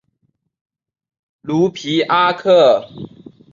卢皮阿克。